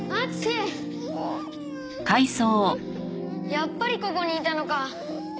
やっぱりここにいたのか。